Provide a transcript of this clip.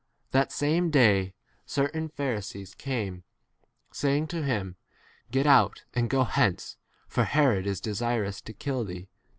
31 The same day certain Pharisees came, saying to him, Get out and go hence, for Herod is desirous to 32 kill thee.